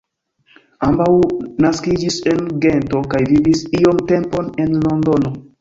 Ambaŭ naskiĝis en Gento kaj vivis iom tempon en Londono.